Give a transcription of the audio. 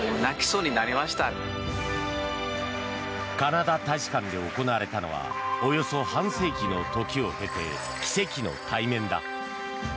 カナダ大使館で行われたのはおよそ半世紀の時を経て奇跡の対面だ。